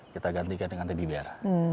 kita gantikan dengan teddy bera